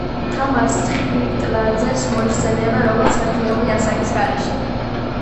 თამარ სხირტლაძეს მოიხსენიებენ როგორც „მსახიობი ასაკის გარეშე“.